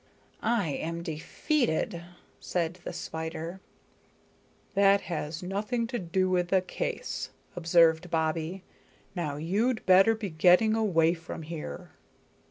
"I am defeated," said the spider. "That has nothing to do with the case," observed Bobbie. "Now you'd better be getting away from here."